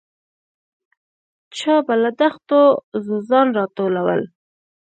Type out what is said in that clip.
چا به له دښتو ځوځان راټولول.